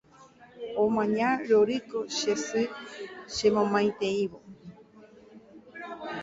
Omaña rorýko che sy chemomaiteívo